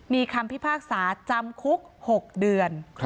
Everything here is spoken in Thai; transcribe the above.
มีคำพิพากษาจำคุก๖เดือน